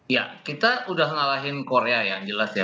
ya kita udah ngalahin korea yang jelas ya